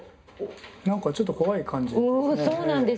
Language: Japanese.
何かちょっと怖い感じですね。